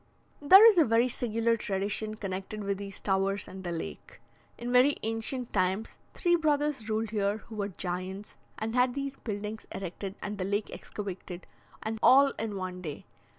There is a very singular tradition connected with these towers and the lake. "In very ancient times three brothers ruled here, who were giants, and had these buildings erected and the lake excavated, and all in one day.